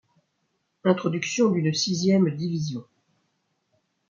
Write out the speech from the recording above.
Introduction d'une sixième division.